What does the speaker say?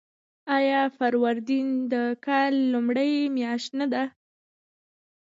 آیا فروردین د کال لومړۍ میاشت نه ده؟